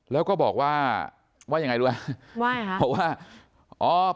แล้วก็บอกว่าว่ายังไงด้วยว่าไงครับ